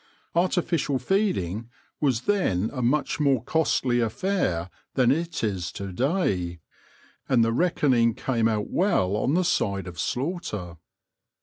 Artificial feeding was then a much more costly affair than it is to day, and the reckoning came out well on the side of slaughter.